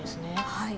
はい。